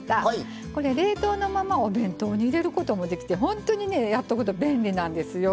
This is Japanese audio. これ冷凍のままお弁当に入れることもできて本当にやっとくと便利なんですよ。